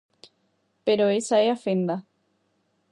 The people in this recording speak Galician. Pero esa é a fenda.